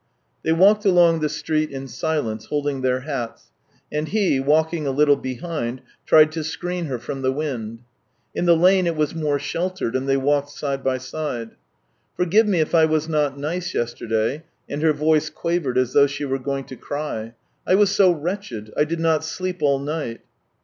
They walked along the street in silence, holding their hats, and he, walking a little behind, tried to screen her from the wind. In the lane it was more sheltered, and they walked side by side. "Forgive me if I was not nice yesterday;" and her voice quavered as though she were going to cry. " I was so wretched ! I did not sleep all night."